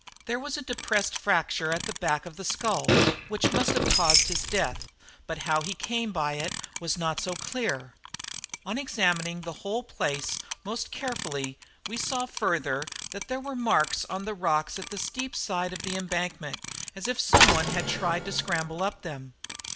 There was a depressed fracture at the back of the skull, which must have caused his death; but how he came by it was not so clear. On examining the whole place most carefully, we saw, further, that there were marks on the rocks at the steep side of the embankment as if some one had tried to scramble up them.